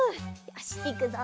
よしいくぞ！